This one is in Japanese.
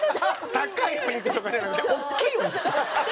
高いお肉とかじゃなくて大きいお肉？